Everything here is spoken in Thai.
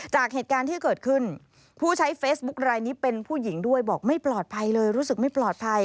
จากเหตุการณ์ที่เกิดขึ้นผู้ใช้เฟซบุ๊คลายนี้เป็นผู้หญิงด้วยบอกไม่ปลอดภัยเลยรู้สึกไม่ปลอดภัย